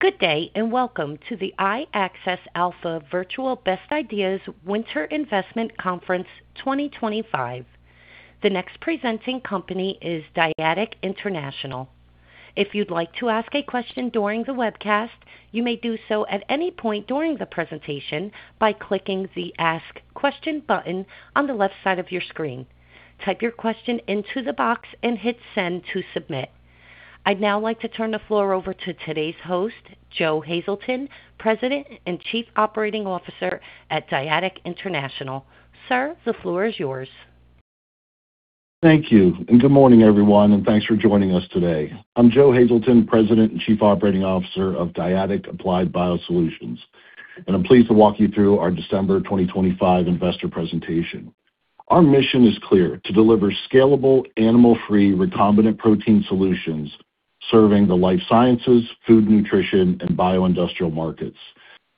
Good day and welcome to the iAccess Alpha Virtual Best Ideas Winter Investment Conference 2025. The next presenting company is Dyadic International. If you'd like to ask a question during the webcast, you may do so at any point during the presentation by clicking the Ask Question button on the left side of your screen. Type your question into the box and hit Send to submit. I'd now like to turn the floor over to today's host, Joe Hazelton, President and Chief Operating Officer at Dyadic International. Sir, the floor is yours. Thank you, and good morning, everyone, and thanks for joining us today. I'm Joe Hazelton, President and Chief Operating Officer of Dyadic Applied Biosolutions, and I'm pleased to walk you through our December 2025 investor presentation. Our mission is clear: to deliver scalable, animal-free recombinant protein solutions serving the life sciences, food nutrition, and bio-industrial markets.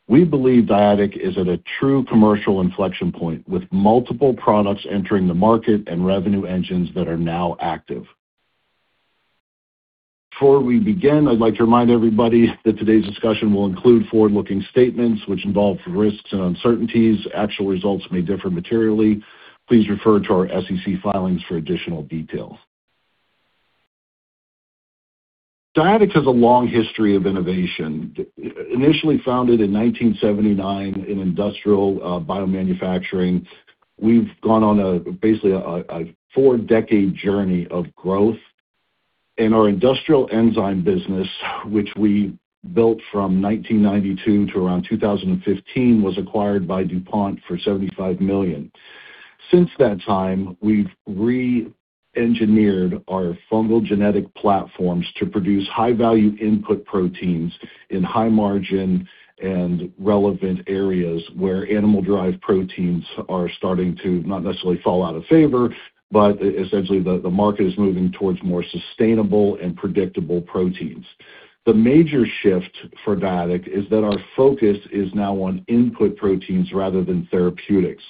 We believe Dyadic is at a true commercial inflection point, with multiple products entering the market and revenue engines that are now active. Before we begin, I'd like to remind everybody that today's discussion will include forward-looking statements which involve risks and uncertainties. Actual results may differ materially. Please refer to our SEC filings for additional details. Dyadic has a long history of innovation. Initially founded in 1979 in industrial biomanufacturing, we've gone on a basically a four-decade journey of growth, and our industrial enzyme business, which we built from 1992 to around 2015, was acquired by DuPont for $75 million. Since that time, we've re-engineered our fungal genetic platforms to produce high-value input proteins in high-margin and relevant areas where animal-derived proteins are starting to not necessarily fall out of favor, but essentially the market is moving towards more sustainable and predictable proteins. The major shift for Dyadic is that our focus is now on input proteins rather than therapeutics.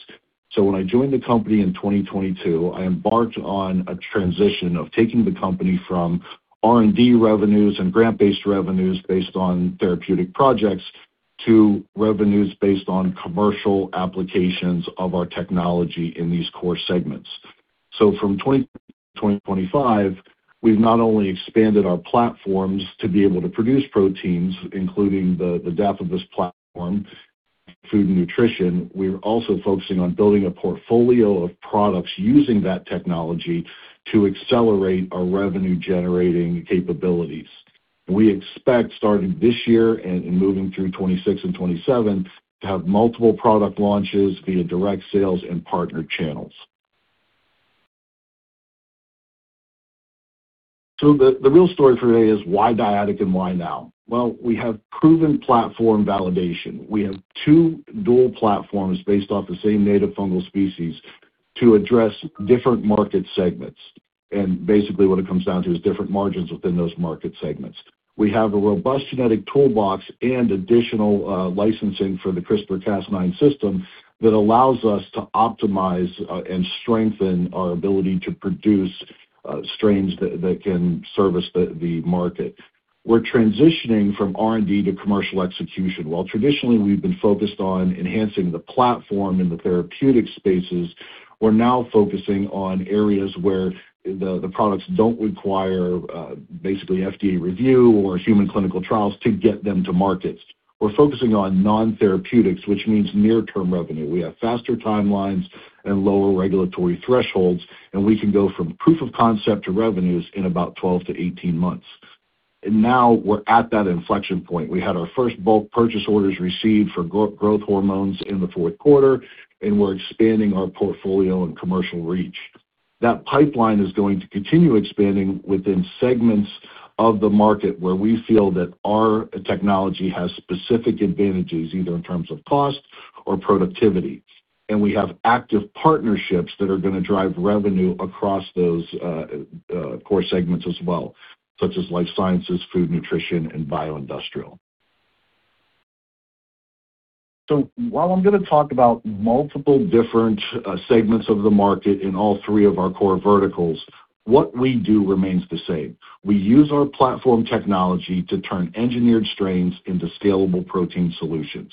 So when I joined the company in 2022, I embarked on a transition of taking the company from R&D revenues and grant-based revenues based on therapeutic projects to revenues based on commercial applications of our technology in these core segments. So from 2022 to 2025, we've not only expanded our platforms to be able to produce proteins, including the Dapibus platform, food and nutrition, we're also focusing on building a portfolio of products using that technology to accelerate our revenue-generating capabilities. We expect starting this year and moving through 2026 and 2027 to have multiple product launches via direct sales and partner channels. So the real story for today is why Dyadic and why now? Well, we have proven platform validation. We have two dual platforms based off the same native fungal species to address different market segments. And basically what it comes down to is different margins within those market segments. We have a robust genetic toolbox and additional licensing for the CRISPR-Cas9 system that allows us to optimize and strengthen our ability to produce strains that can service the market. We're transitioning from R&D to commercial execution. While traditionally we've been focused on enhancing the platform in the therapeutic spaces, we're now focusing on areas where the products don't require basically FDA review or human clinical trials to get them to markets. We're focusing on non-therapeutics, which means near-term revenue. We have faster timelines and lower regulatory thresholds, and we can go from proof of concept to revenues in about 12-18 months, and now we're at that inflection point. We had our first bulk purchase orders received for growth hormones in the fourth quarter, and we're expanding our portfolio and commercial reach. That pipeline is going to continue expanding within segments of the market where we feel that our technology has specific advantages either in terms of cost or productivity, and we have active partnerships that are going to drive revenue across those core segments as well, such as life sciences, food nutrition, and bio-industrial. So while I'm going to talk about multiple different segments of the market in all three of our core verticals, what we do remains the same. We use our platform technology to turn engineered strains into scalable protein solutions.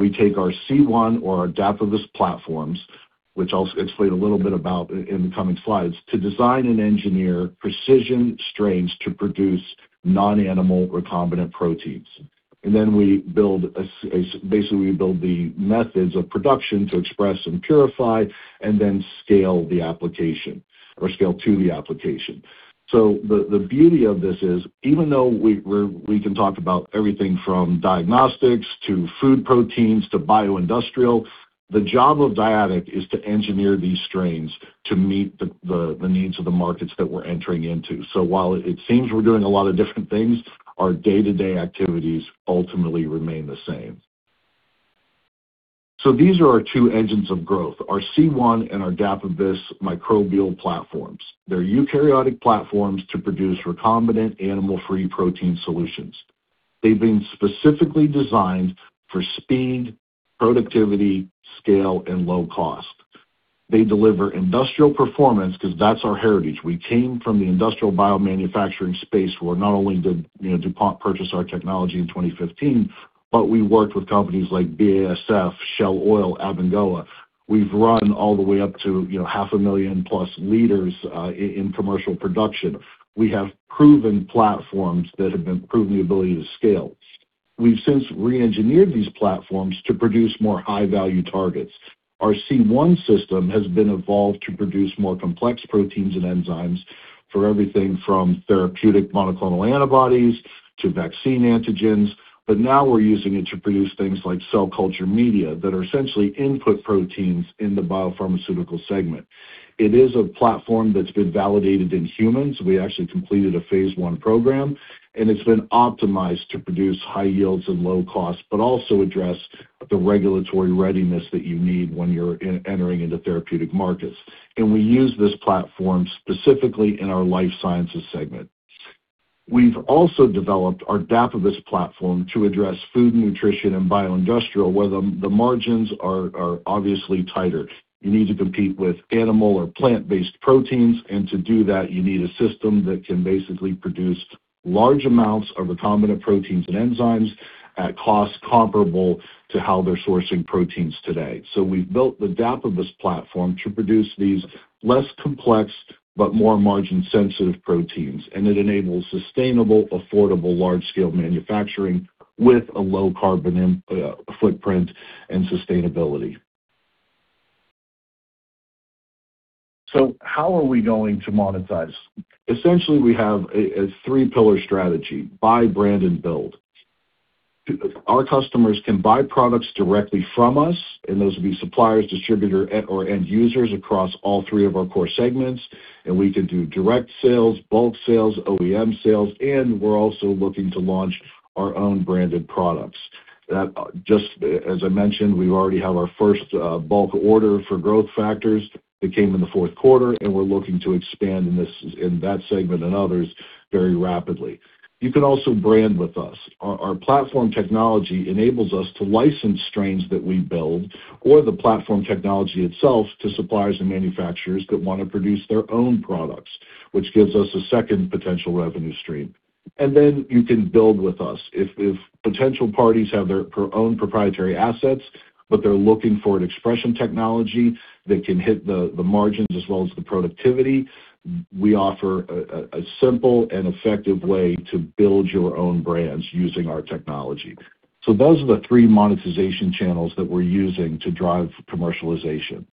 We take our C1 or our Dapibus platforms, which I'll explain a little bit about in the coming slides, to design and engineer precision strains to produce non-animal recombinant proteins. And then we build the methods of production to express and purify and then scale the application or scale to the application. So the beauty of this is even though we can talk about everything from diagnostics to food proteins to bio-industrial, the job of Dyadic is to engineer these strains to meet the needs of the markets that we're entering into. So while it seems we're doing a lot of different things, our day-to-day activities ultimately remain the same. So these are our two engines of growth, our C1 and our Dapibus microbial platforms. They're eukaryotic platforms to produce recombinant animal-free protein solutions. They've been specifically designed for speed, productivity, scale, and low cost. They deliver industrial performance because that's our heritage. We came from the industrial biomanufacturing space where not only did DuPont purchase our technology in 2015, but we worked with companies like BASF, Shell Oil, Abengoa. We've run all the way up to 500,000-plus liters in commercial production. We have proven platforms that have been proven the ability to scale. We've since re-engineered these platforms to produce more high-value targets. Our C1 system has been evolved to produce more complex proteins and enzymes for everything from therapeutic monoclonal antibodies to vaccine antigens, but now we're using it to produce things like cell culture media that are essentially input proteins in the biopharmaceutical segment. It is a platform that's been validated in humans. We actually completed a phase one program, and it's been optimized to produce high yields and low cost, but also address the regulatory readiness that you need when you're entering into therapeutic markets. And we use this platform specifically in our life sciences segment. We've also developed our Dapibus platform to address food nutrition and bio-industrial where the margins are obviously tighter. You need to compete with animal or plant-based proteins, and to do that, you need a system that can basically produce large amounts of recombinant proteins and enzymes at costs comparable to how they're sourcing proteins today. So we've built the Dapibus platform to produce these less complex but more margin-sensitive proteins, and it enables sustainable, affordable, large-scale manufacturing with a low carbon footprint and sustainability. So how are we going to monetize? Essentially, we have a three-pillar strategy: buy, brand, and build. Our customers can buy products directly from us, and those would be suppliers, distributors, or end users across all three of our core segments, and we can do direct sales, bulk sales, OEM sales, and we're also looking to launch our own branded products. Just as I mentioned, we already have our first bulk order for Growth Factors that came in the fourth quarter, and we're looking to expand in that segment and others very rapidly. You can also brand with us. Our platform technology enables us to license strains that we build or the platform technology itself to suppliers and manufacturers that want to produce their own products, which gives us a second potential revenue stream, and then you can build with us. If potential parties have their own proprietary assets, but they're looking for an expression technology that can hit the margins as well as the productivity, we offer a simple and effective way to build your own brands using our technology, so those are the three monetization channels that we're using to drive commercialization.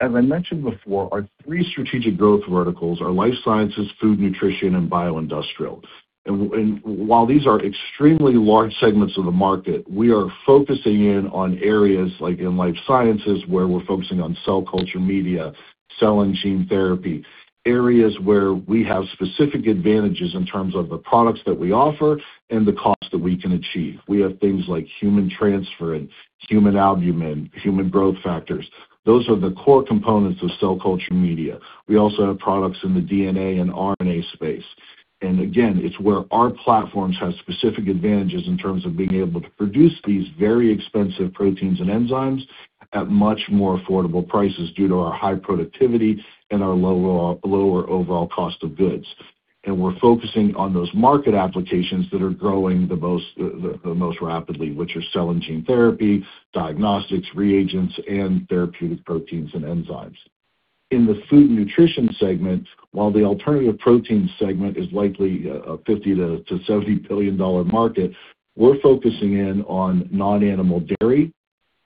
As I mentioned before, our three strategic growth verticals are life sciences, food nutrition, and bio-industrial. While these are extremely large segments of the market, we are focusing in on areas like in life sciences where we're focusing on cell culture media, cell and gene therapy, areas where we have specific advantages in terms of the products that we offer and the costs that we can achieve. We have things like human transferrin and human albumin and human growth factors. Those are the core components of cell culture media. We also have products in the DNA and RNA space. And again, it's where our platforms have specific advantages in terms of being able to produce these very expensive proteins and enzymes at much more affordable prices due to our high productivity and our lower overall cost of goods. And we're focusing on those market applications that are growing the most rapidly, which are cell and gene therapy, diagnostics, reagents, and therapeutic proteins and enzymes. In the food nutrition segment, while the alternative protein segment is likely a $50-$70 billion market, we're focusing in on non-animal dairy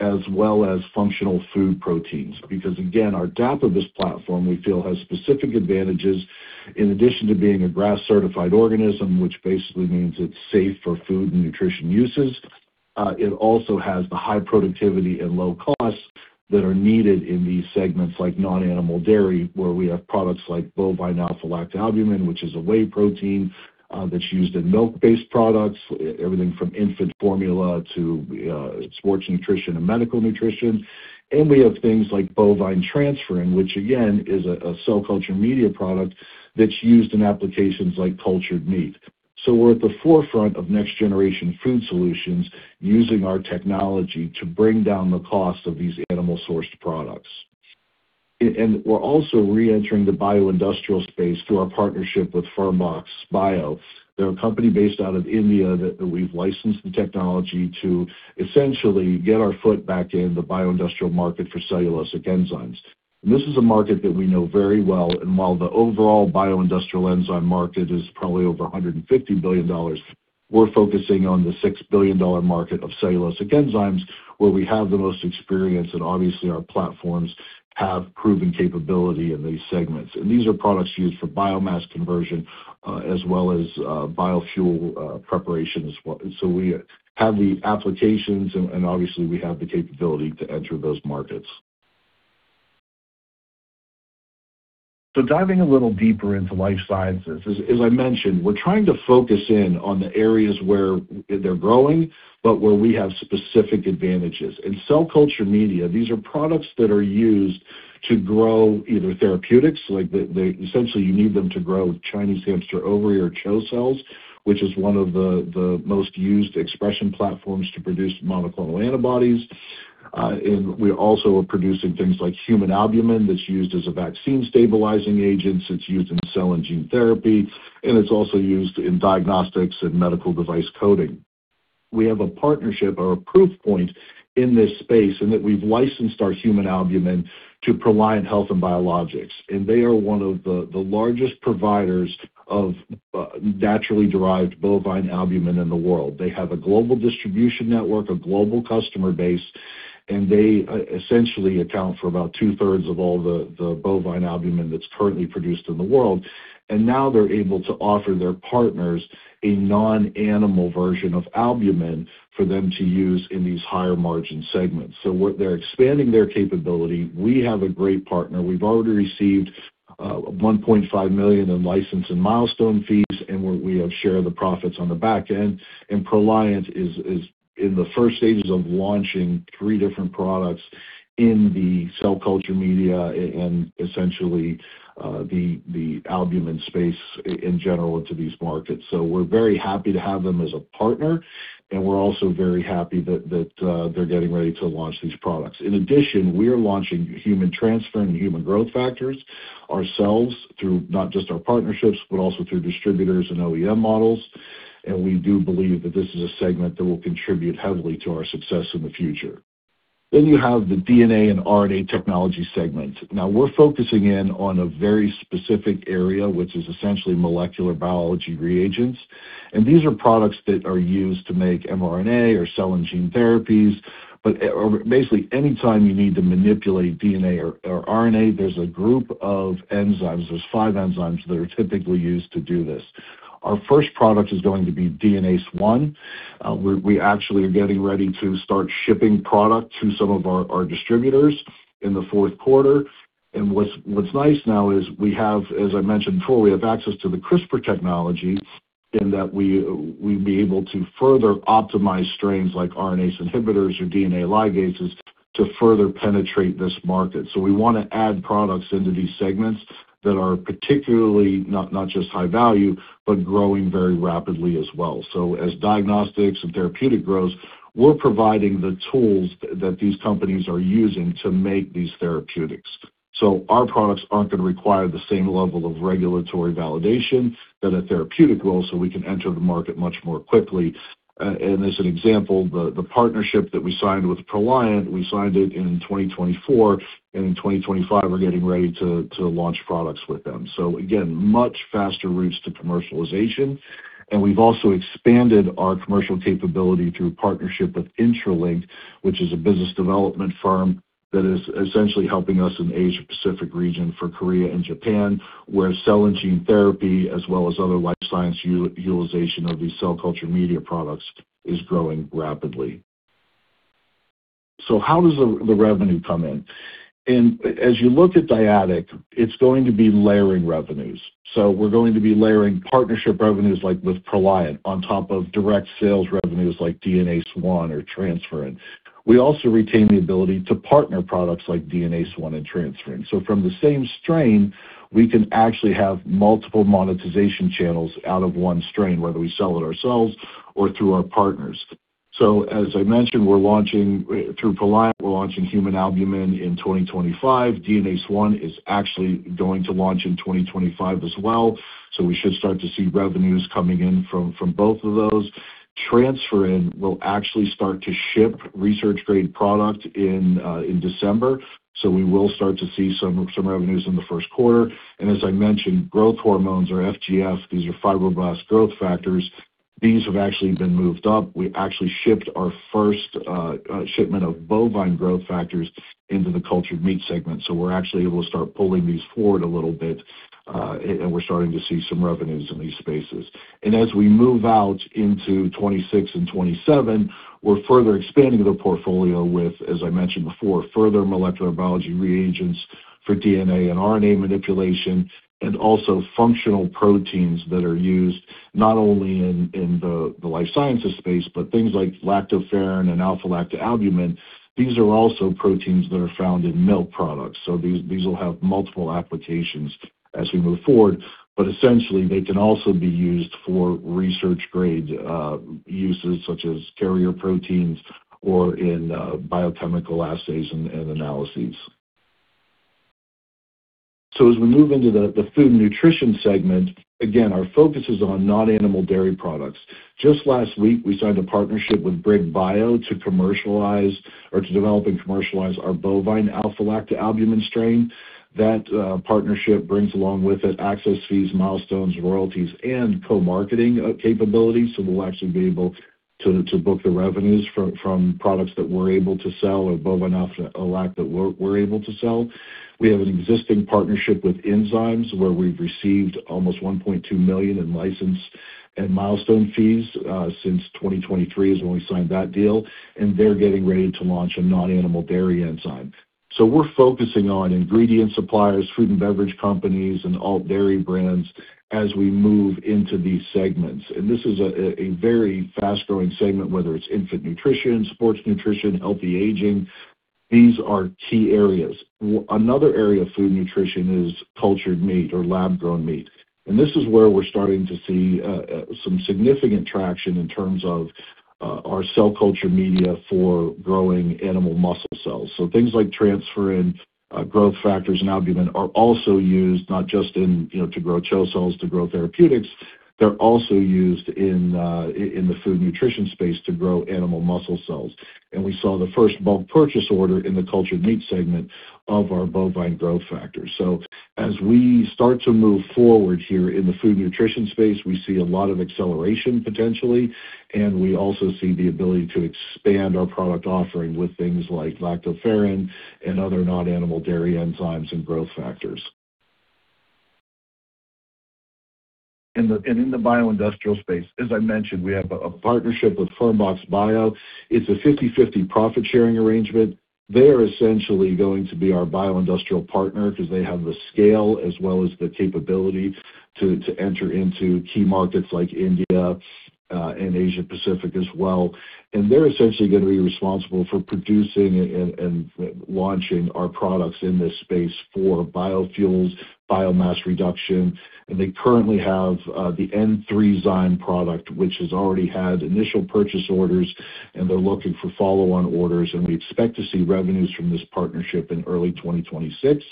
as well as functional food proteins. Because again, our Dapibus platform, we feel, has specific advantages in addition to being a grass-certified organism, which basically means it's safe for food and nutrition uses. It also has the high productivity and low costs that are needed in these segments like non-animal dairy, where we have products like bovine alpha-lactalbumin, which is a whey protein that's used in milk-based products, everything from infant formula to sports nutrition and medical nutrition. And we have things like bovine transferrin, which again is a cell culture media product that's used in applications like cultured meat. So we're at the forefront of next-generation food solutions using our technology to bring down the cost of these animal-sourced products. And we're also re-entering the bio-industrial space through our partnership with Fermbox Bio. They're a company based out of India that we've licensed the technology to essentially get our foot back in the bio-industrial market for cellulosic enzymes. And this is a market that we know very well. And while the overall bio-industrial enzyme market is probably over $150 billion, we're focusing on the $6 billion market of cellulosic enzymes where we have the most experience, and obviously our platforms have proven capability in these segments. And these are products used for biomass conversion as well as biofuel preparation as well. So we have the applications, and obviously we have the capability to enter those markets. So diving a little deeper into life sciences, as I mentioned, we're trying to focus in on the areas where they're growing, but where we have specific advantages. In cell culture media, these are products that are used to grow either therapeutics, like essentially you need them to grow Chinese Hamster Ovary cells, which is one of the most used expression platforms to produce monoclonal antibodies, and we also are producing things like human albumin that's used as a vaccine stabilizing agent. It's used in cell and gene therapy, and it's also used in diagnostics and medical device coating. We have a partnership or a proof point in this space in that we've licensed our human albumin to Proliant Health and Biologics, and they are one of the largest providers of naturally derived bovine albumin in the world. They have a global distribution network, a global customer base, and they essentially account for about two-thirds of all the bovine albumin that's currently produced in the world. And now they're able to offer their partners a non-animal version of albumin for them to use in these higher margin segments. So they're expanding their capability. We have a great partner. We've already received $1.5 million in license and milestone fees, and we have shared the profits on the back end. And Proliant is in the first stages of launching three different products in the cell culture media and essentially the albumin space in general into these markets. So we're very happy to have them as a partner, and we're also very happy that they're getting ready to launch these products. In addition, we are launching human transferrin and human growth factors ourselves through not just our partnerships, but also through distributors and OEM models. And we do believe that this is a segment that will contribute heavily to our success in the future. Then you have the DNA and RNA technology segment. Now we're focusing in on a very specific area, which is essentially molecular biology reagents. And these are products that are used to make mRNA or cell and gene therapies, but basically anytime you need to manipulate DNA or RNA, there's a group of enzymes. There's five enzymes that are typically used to do this. Our first product is going to be DNase I. We actually are getting ready to start shipping product to some of our distributors in the fourth quarter. And what's nice now is we have, as I mentioned before, we have access to the CRISPR technology in that we will be able to further optimize strains like RNase inhibitors or DNA ligases to further penetrate this market. So we want to add products into these segments that are particularly not just high value, but growing very rapidly as well. So as diagnostics and therapeutic grows, we're providing the tools that these companies are using to make these therapeutics. So our products aren't going to require the same level of regulatory validation that a therapeutic will, so we can enter the market much more quickly. And as an example, the partnership that we signed with Proliant, we signed it in 2024, and in 2025, we're getting ready to launch products with them. So again, much faster routes to commercialization. We've also expanded our commercial capability through partnership with Intralink, which is a business development firm that is essentially helping us in the Asia-Pacific region for Korea and Japan, where cell and gene therapy, as well as other life science utilization of these cell culture media products, is growing rapidly. How does the revenue come in? As you look at Dyadic, it's going to be layering revenues. We're going to be layering partnership revenues like with Proliant on top of direct sales revenues like DNase I or transferrin. We also retain the ability to partner products like DNase I and transferrin. From the same strain, we can actually have multiple monetization channels out of one strain, whether we sell it ourselves or through our partners. As I mentioned, we're launching through Proliant, we're launching human albumin in 2025. DNase I is actually going to launch in 2025 as well. So we should start to see revenues coming in from both of those. Transferrin will actually start to ship research-grade product in December. So we will start to see some revenues in the first quarter. And as I mentioned, growth hormones or FGF, these are fibroblast growth factors. These have actually been moved up. We actually shipped our first shipment of bovine growth factors into the cultured meat segment. So we're actually able to start pulling these forward a little bit, and we're starting to see some revenues in these spaces. And as we move out into 2026 and 2027, we're further expanding the portfolio with, as I mentioned before, further molecular biology reagents for DNA and RNA manipulation, and also functional proteins that are used not only in the life sciences space, but things like lactoferrin and alpha-lactalbumin. These are also proteins that are found in milk products. So these will have multiple applications as we move forward, but essentially they can also be used for research-grade uses such as carrier proteins or in biochemical assays and analyses. So as we move into the food nutrition segment, again, our focus is on non-animal dairy products. Just last week, we signed a partnership with Brig Bio to commercialize or to develop and commercialize our bovine alpha-lactalbumin strain. That partnership brings along with it access fees, milestones, royalties, and co-marketing capabilities. So we'll actually be able to book the revenues from products that we're able to sell or bovine alpha-lacto that we're able to sell. We have an existing partnership with Enzymes where we've received almost $1.2 million in license and milestone fees since 2023 is when we signed that deal. They're getting ready to launch a non-animal dairy enzyme. We're focusing on ingredient suppliers, food and beverage companies, and all dairy brands as we move into these segments. This is a very fast-growing segment, whether it's infant nutrition, sports nutrition, healthy aging. These are key areas. Another area of food nutrition is cultured meat or lab-grown meat. This is where we're starting to see some significant traction in terms of our cell culture media for growing animal muscle cells. Things like transferrin, growth factors, and albumin are also used not just to grow cells to grow therapeutics. They're also used in the food nutrition space to grow animal muscle cells. We saw the first bulk purchase order in the cultured meat segment of our bovine growth factors. As we start to move forward here in the food nutrition space, we see a lot of acceleration potentially, and we also see the ability to expand our product offering with things like lactoferrin and other non-animal dairy enzymes and growth factors. In the bio-industrial space, as I mentioned, we have a partnership with Fermbox Bio. It's a 50/50 profit-sharing arrangement. They're essentially going to be our bio-industrial partner because they have the scale as well as the capability to enter into key markets like India and Asia-Pacific as well. They're essentially going to be responsible for producing and launching our products in this space for biofuels, biomass reduction. They currently have the N3Zyme product, which has already had initial purchase orders, and they're looking for follow-on orders. We expect to see revenues from this partnership in early 2026.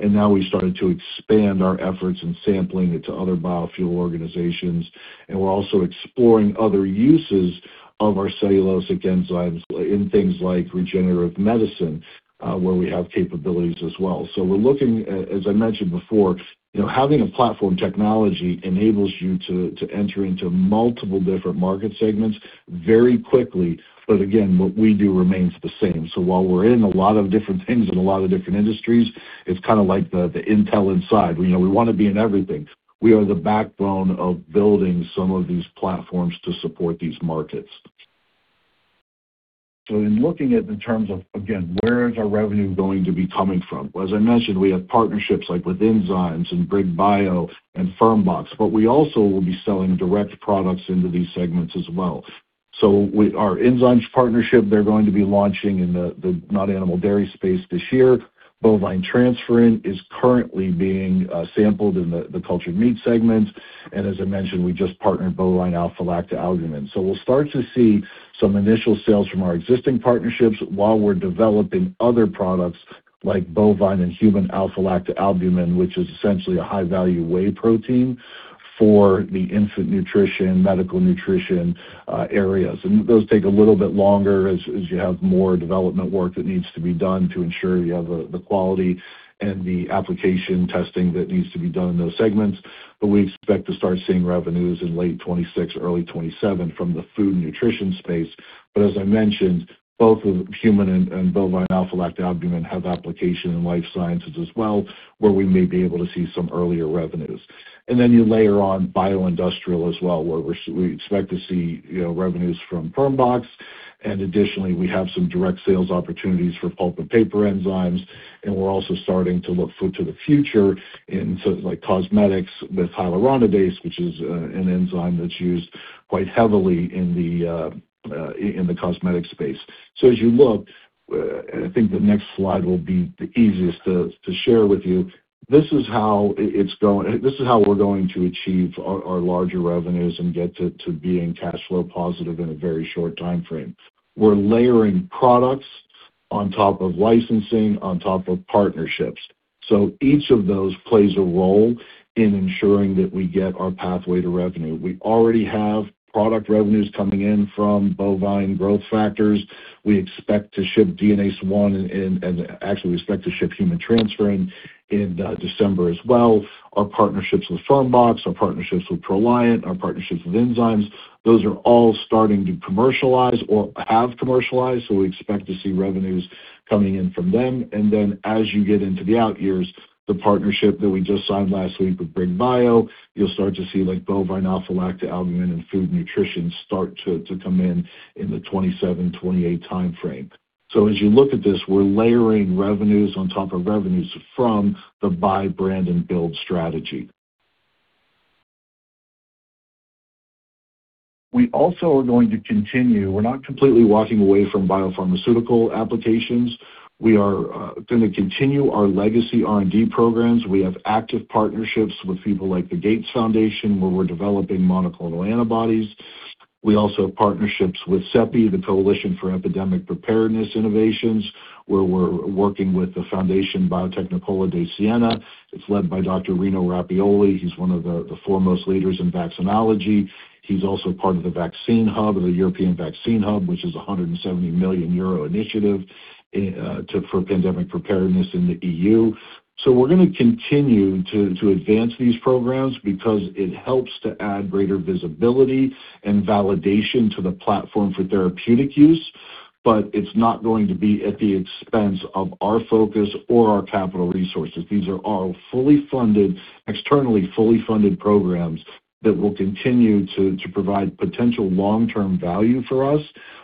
And now we've started to expand our efforts in sampling to other biofuel organizations. And we're also exploring other uses of our cellulosic enzymes in things like regenerative medicine, where we have capabilities as well. So we're looking, as I mentioned before, having a platform technology enables you to enter into multiple different market segments very quickly. But again, what we do remains the same. So while we're in a lot of different things in a lot of different industries, it's kind of like the Intel inside. We want to be in everything. We are the backbone of building some of these platforms to support these markets. So in looking at in terms of, again, where is our revenue going to be coming from? As I mentioned, we have partnerships like with Enzymes and Brig Bio and Fermbox, but we also will be selling direct products into these segments as well. So our Enzymes partnership, they're going to be launching in the non-animal dairy space this year. Bovine transferrin is currently being sampled in the cultured meat segment. And as I mentioned, we just partnered bovine alpha-lactoalbumin. So we'll start to see some initial sales from our existing partnerships while we're developing other products like bovine and human alpha-lactoalbumin, which is essentially a high-value whey protein for the infant nutrition, medical nutrition areas. And those take a little bit longer as you have more development work that needs to be done to ensure you have the quality and the application testing that needs to be done in those segments. But we expect to start seeing revenues in late 2026, early 2027 from the food nutrition space. But as I mentioned, both human and bovine alpha-lactoalbumin have application in life sciences as well, where we may be able to see some earlier revenues. And then you layer on bio-industrial as well, where we expect to see revenues from Fermbox. And additionally, we have some direct sales opportunities for pulp and paper enzymes. And we're also starting to look forward to the future in cosmetics with hyaluronidase, which is an enzyme that's used quite heavily in the cosmetic space. So as you look, I think the next slide will be the easiest to share with you. This is how we're going to achieve our larger revenues and get to being cash flow positive in a very short time frame. We're layering products on top of licensing, on top of partnerships. So each of those plays a role in ensuring that we get our pathway to revenue. We already have product revenues coming in from bovine growth factors. We expect to ship DNase I, and actually we expect to ship human transferrin in December as well. Our partnerships with Fermbox, our partnerships with Proliant, our partnerships with Enzymes, those are all starting to commercialize or have commercialized. So we expect to see revenues coming in from them. And then as you get into the out years, the partnership that we just signed last week with Formo, you'll start to see bovine alpha-lactalbumin and food nutrition start to come in in the 2027-2028 time frame. So as you look at this, we're layering revenues on top of revenues from the buy, brand, and build strategy. We also are going to continue. We're not completely walking away from biopharmaceutical applications. We are going to continue our legacy R&D programs. We have active partnerships with people like the Gates Foundation, where we're developing monoclonal antibodies. We also have partnerships with CEPI, the Coalition for Epidemic Preparedness Innovations, where we're working with the Fondazione Biotecnopolo di Siena. It's led by Dr. Rino Rappuoli. He's one of the foremost leaders in vaccinology. He's also part of the vaccine hub, the European Vaccine Hub, which is a 170 million euro initiative for pandemic preparedness in the E.U. So we're going to continue to advance these programs because it helps to add greater visibility and validation to the platform for therapeutic use. But it's not going to be at the expense of our focus or our capital resources. These are our fully funded, externally fully funded programs that will continue to provide potential long-term value for us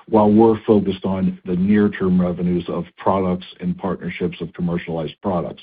while we're focused on the near-term revenues of products and partnerships of commercialized products.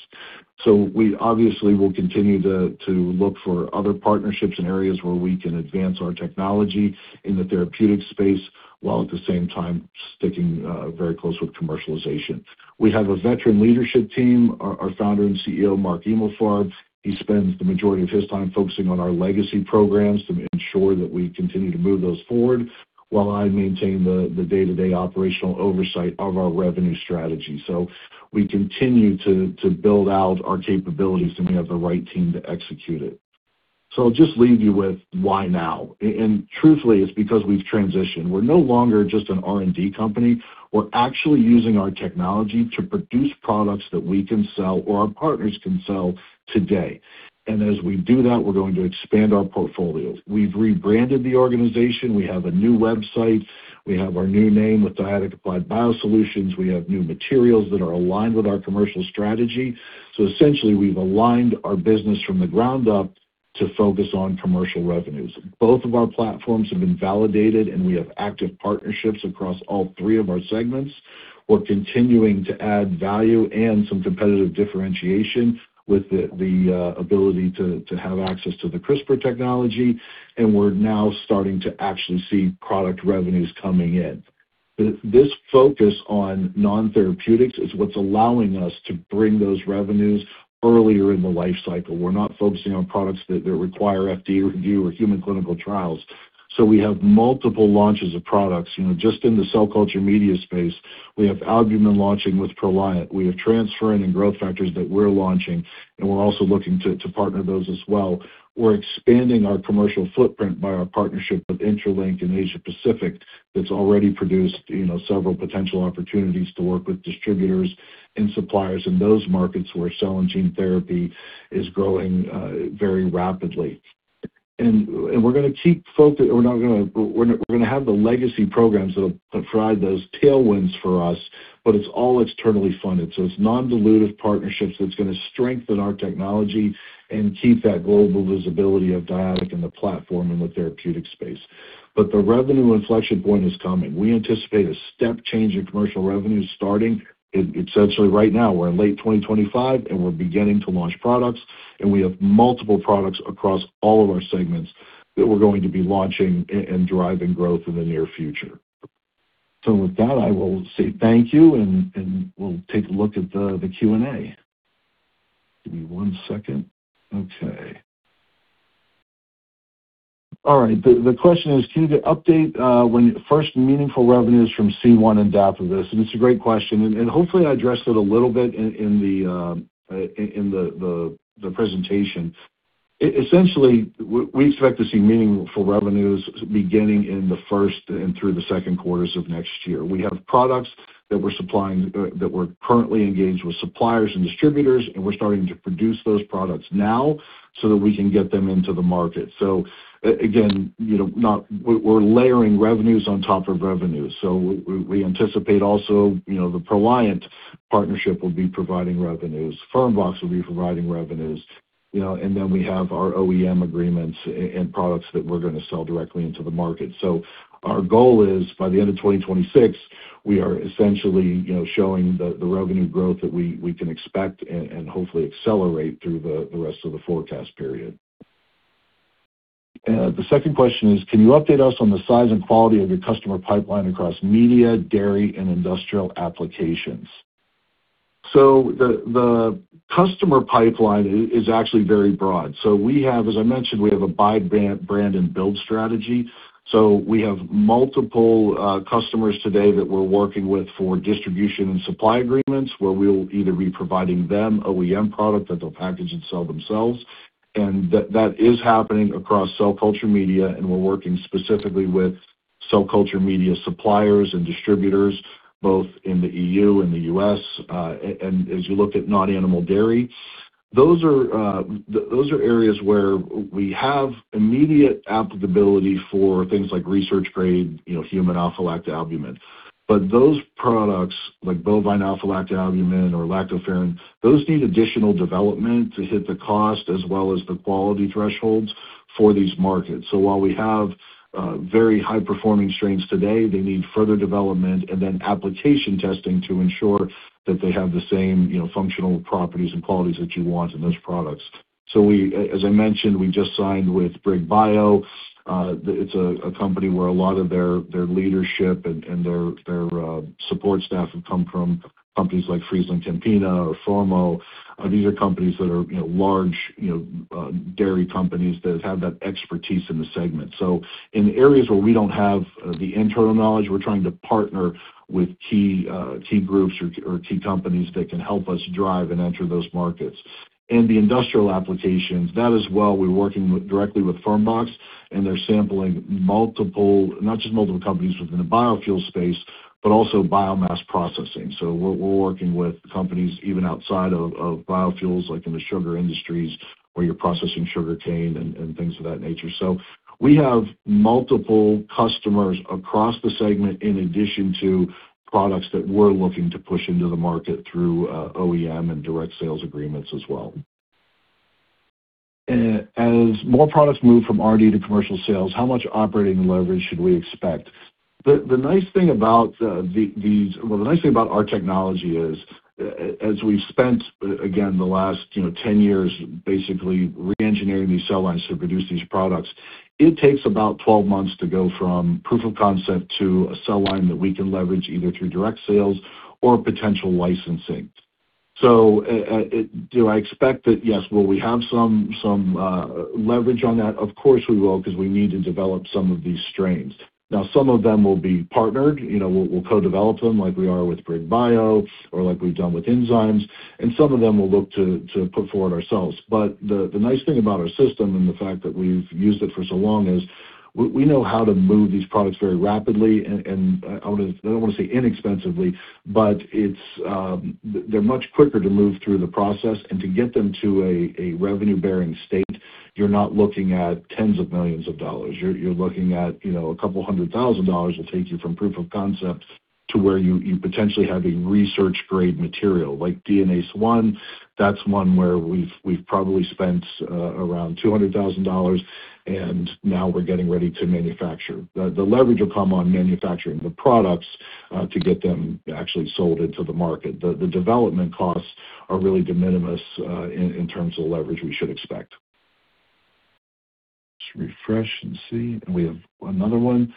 So we obviously will continue to look for other partnerships in areas where we can advance our technology in the therapeutic space while at the same time sticking very close with commercialization. We have a veteran leadership team. Our founder and CEO, Mark Emalfarb, he spends the majority of his time focusing on our legacy programs to ensure that we continue to move those forward while I maintain the day-to-day operational oversight of our revenue strategy. So we continue to build out our capabilities and we have the right team to execute it. So I'll just leave you with why now. And truthfully, it's because we've transitioned. We're no longer just an R&D company. We're actually using our technology to produce products that we can sell or our partners can sell today. And as we do that, we're going to expand our portfolio. We've rebranded the organization. We have a new website. We have our new name with Dyadic Applied Biosolutions. We have new materials that are aligned with our commercial strategy. So essentially, we've aligned our business from the ground up to focus on commercial revenues. Both of our platforms have been validated, and we have active partnerships across all three of our segments. We're continuing to add value and some competitive differentiation with the ability to have access to the CRISPR technology. And we're now starting to actually see product revenues coming in. This focus on non-therapeutics is what's allowing us to bring those revenues earlier in the life cycle. We're not focusing on products that require FDA review or human clinical trials. So we have multiple launches of products. Just in the cell culture media space, we have albumin launching with Proliant. We have transferrin and growth factors that we're launching, and we're also looking to partner those as well. We're expanding our commercial footprint by our partnership with Intralink in Asia-Pacific that's already produced several potential opportunities to work with distributors and suppliers in those markets where cell and gene therapy is growing very rapidly. And we're going to have the legacy programs that will provide those tailwinds for us, but it's all externally funded. So it's non-dilutive partnerships that's going to strengthen our technology and keep that global visibility of Dyadic in the platform and the therapeutic space. But the revenue inflection point is coming. We anticipate a step change in commercial revenue starting essentially right now. We're in late 2025, and we're beginning to launch products, and we have multiple products across all of our segments that we're going to be launching and driving growth in the near future. With that, I will say thank you, and we'll take a look at the Q&A. Give me one second. Okay. All right. The question is, can you update when first meaningful revenues from C1 and Dapibus? And it's a great question. And hopefully, I addressed it a little bit in the presentation. Essentially, we expect to see meaningful revenues beginning in the first and through the second quarters of next year. We have products that we're currently engaged with suppliers and distributors, and we're starting to produce those products now so that we can get them into the market. So again, we're layering revenues on top of revenues. So we anticipate also the Proliant partnership will be providing revenues. Fermbox will be providing revenues. And then we have our OEM agreements and products that we're going to sell directly into the market. So our goal is by the end of 2026, we are essentially showing the revenue growth that we can expect and hopefully accelerate through the rest of the forecast period. The second question is, can you update us on the size and quality of your customer pipeline across media, dairy, and industrial applications? So the customer pipeline is actually very broad. So as I mentioned, we have a buy, brand, and build strategy. So we have multiple customers today that we're working with for distribution and supply agreements where we'll either be providing them OEM product that they'll package and sell themselves. That is happening across cell culture media, and we're working specifically with cell culture media suppliers and distributors both in the EU and the U.S. As you look at non-animal dairy, those are areas where we have immediate applicability for things like research-grade human alpha-lactoalbumin. Those products like bovine alpha-lactoalbumin or lactoferrin need additional development to hit the cost as well as the quality thresholds for these markets. While we have very high-performing strains today, they need further development and then application testing to ensure that they have the same functional properties and qualities that you want in those products. As I mentioned, we just signed with Brig Bio. It's a company where a lot of their leadership and their support staff have come from companies like FrieslandCampina or Formo. These are companies that are large dairy companies that have that expertise in the segment. So in areas where we don't have the internal knowledge, we're trying to partner with key groups or key companies that can help us drive and enter those markets. And the industrial applications, that as well, we're working directly with Fermbox, and they're sampling not just multiple companies within the biofuel space, but also biomass processing. So we're working with companies even outside of biofuels like in the sugar industries where you're processing sugarcane and things of that nature. So we have multiple customers across the segment in addition to products that we're looking to push into the market through OEM and direct sales agreements as well. As more products move from R&D to commercial sales, how much operating leverage should we expect? The nice thing about our technology is, as we've spent, again, the last 10 years basically re-engineering these cell lines to produce these products, it takes about 12 months to go from proof of concept to a cell line that we can leverage either through direct sales or potential licensing. So do I expect that, yes, well, we have some leverage on that? Of course we will because we need to develop some of these strains. Now, some of them will be partnered. We'll co-develop them like we are with Brig Bio or like we've done with Enzymes. And some of them we'll look to put forward ourselves. But the nice thing about our system and the fact that we've used it for so long is we know how to move these products very rapidly. I don't want to say inexpensively, but they're much quicker to move through the process. To get them to a revenue-bearing state, you're not looking at tens of millions of dollars. You're looking at $200,000 will take you from proof of concept to where you potentially have a research-grade material like DNase I. That's one where we've probably spent around $200,000, and now we're getting ready to manufacture. The leverage will come on manufacturing the products to get them actually sold into the market. The development costs are really de minimis in terms of the leverage we should expect. Just refresh and see. We have another one.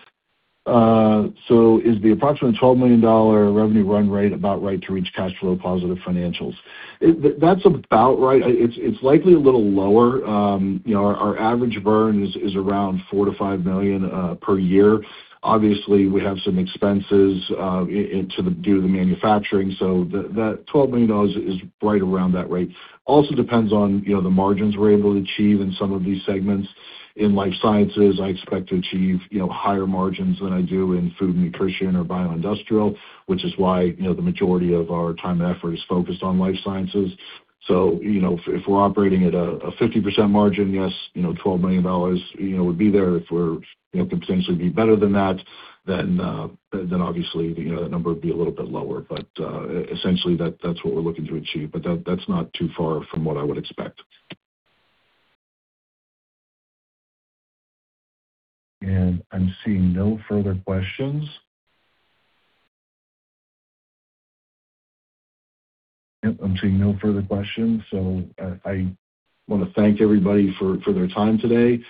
Is the approximate $12 million revenue run rate about right to reach cash flow positive financials? That's about right. It's likely a little lower. Our average burn is around $4 million to $5 million per year. Obviously, we have some expenses due to the manufacturing. So that $12 million is right around that rate. Also depends on the margins we're able to achieve in some of these segments. In life sciences, I expect to achieve higher margins than I do in food nutrition or bioindustrial, which is why the majority of our time and effort is focused on life sciences. So if we're operating at a 50% margin, yes, $12 million would be there. If we're potentially be better than that, then obviously that number would be a little bit lower. But essentially, that's what we're looking to achieve. But that's not too far from what I would expect. And I'm seeing no further questions. Yep, I'm seeing no further questions. So I want to thank everybody for their time today.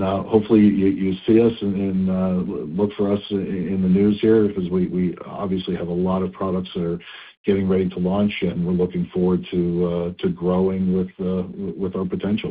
Hopefully, you'll see us and look for us in the news here because we obviously have a lot of products that are getting ready to launch, and we're looking forward to growing with our potential.